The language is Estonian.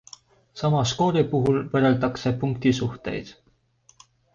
Sama skoori puhul võrreldakse punktisuhteid.